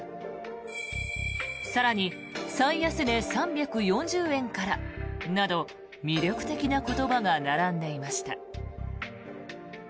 更に、最安値３４０円からなど魅力的な言葉が並んでいました。